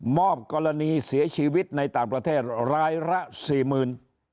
อบกรณีเสียชีวิตในต่างประเทศรายละสี่หมื่น